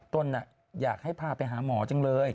อยากให้พาไปหาหมอจังเลย